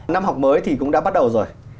năm học mới thì cũng đã bắt đầu rồi